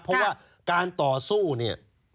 เพราะว่าการต่อสู้เนี่ย